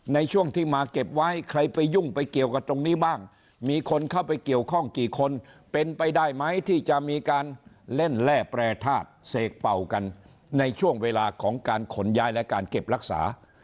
ในช่วงที่มาเก็บไว้ใครไปยุ่งไปเกี่ยวกับตรงนี้บ้างมีคนเข้าไปเกี่ยวข้องกี่คนเป็นไปได้ไหมที่จะมีการเล่นแร่แปรทาสเสกเป่ากันในช่วงเวลาของการขนย้ายและการเก็บรักษา